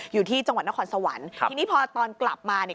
อยู่ที่จังหวัดนครสวรรค์ครับทีนี้พอตอนกลับมาเนี่ย